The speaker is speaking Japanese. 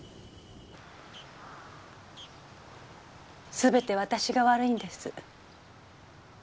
全て私が悪いんです。